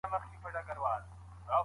فارسيانو او روميانو ته ئې ضرر ندی رسولی.